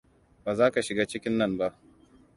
Ba za ka shiga cikin nan ba.